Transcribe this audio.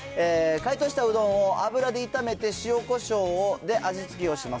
解凍したうどんを油で炒めて、塩こしょうで味付けをします。